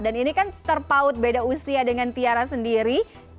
dan ini kan terpaut beda usia dengan tiara sendiri